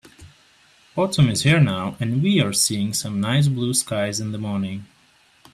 Autumn is here now, and we are seeing some nice blue skies in the morning.